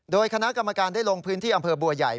โดยคณะกรรมการได้ลงพื้นที่อำเภอบัวใหญ่